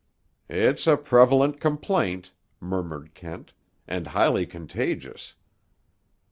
"It's a prevalent complaint," murmured Kent, "and highly contagious."